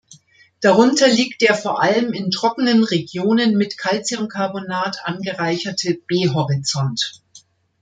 Darunter liegt der vor allem in trockenen Regionen mit Calciumcarbonat angereicherte B-Horizont.